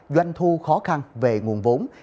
doanh thu khó khăn về nguồn vốn